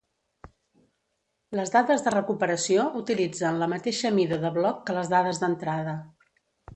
Les dades de recuperació utilitzen la mateixa mida de bloc que les dades d'entrada.